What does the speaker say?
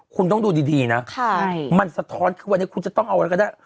คุณต้องดูดีนะมันสะท้อนคือวันนี้คุณจะต้องเอาอะไรก็ได้